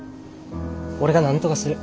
俺がなんとかする。